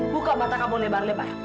buka mata kamu lebar lebar